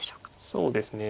そうですね